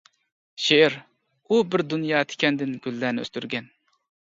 شېئىر، ئۇ-بىر دۇنيا تىكەندىن گۈللەرنى ئۆستۈرگەن.